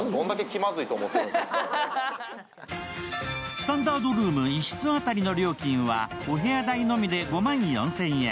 スタンダードルーム１室当たりの料金はお部屋代のみで５万４０００円。